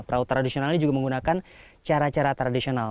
perahu tradisional ini juga menggunakan cara cara tradisional